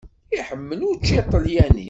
Iḥemmel učči aṭalyani.